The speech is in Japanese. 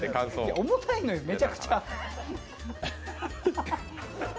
重たいのよ、めちゃくちゃ。